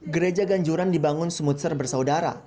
gereja ganjuran dibangun semut serbersaudara